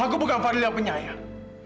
aku bukan fadil yang penyayang